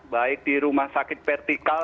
baik di rumah sakit vertikal